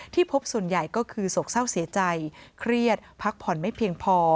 พบส่วนใหญ่ก็คือโศกเศร้าเสียใจเครียดพักผ่อนไม่เพียงพอ